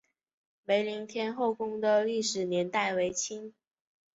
梅林天后宫的历史年代为清。